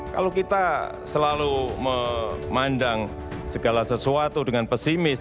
kalau kita selalu memandang segala sesuatu dengan pesimis